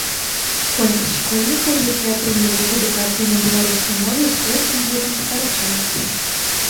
Колькасць школьнікаў, якія атрымліваюць адукацыю на беларускай мове, з кожным годам скарачаецца.